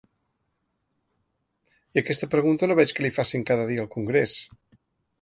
I aquesta pregunta no veig que li facin cada dia al congrés.